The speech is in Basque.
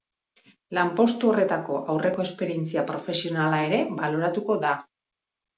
Lanpostu horretako aurreko esperientzia profesionala ere baloratuko da.